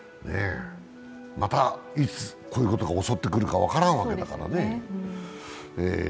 また、いつこういうことが襲ってくるか分からんわけだからね。